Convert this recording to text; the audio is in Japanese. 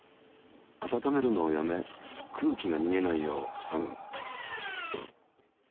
あたためるのをやめ空気がにげないようふさぐ。